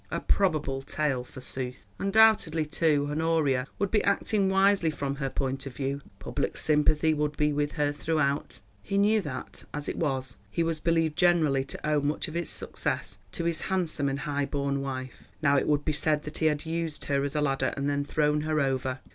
A probable tale forsooth! Undoubtedly, too, Honoria would be acting wisely from her point of view. Public sympathy would be with her throughout. He knew that, as it was, he was believed generally to owe much of his success to his handsome and high born wife. Now it would be said that he had used her as a ladder and then thrown her over.